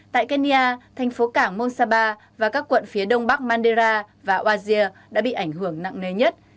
tại kenya thành phố cảng monsaba và các quận phía đông bắc mandera và oasia đã bị ảnh hưởng nặng nề nhất